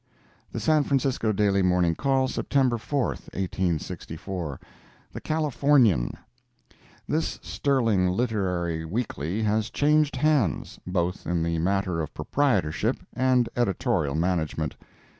The San Francisco Daily Morning Call, September 4, 1864 THE CALIFORNIAN This sterling literary weekly has changed hands, both in the matter of proprietorship and editorial management.